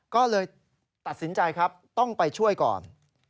ก็เลยตัดสินใจครับต้องไปช่วยก่อน